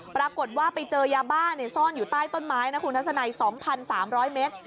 ปรากฏว่าไปเจอยาบ้าซ่อนอยู่ใต้ต้นไม้นะคุณทัศนัย๒๓๐๐เมตร